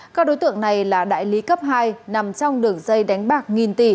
các đối tượng này là đại lý cấp hai nằm trong đường dây đánh bạc nghìn tỷ